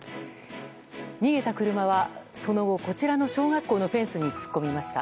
逃げた車は、その後こちらの小学校のフェンスに突っ込みました。